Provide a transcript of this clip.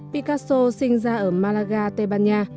picasso sinh ra ở malaga tây ban nha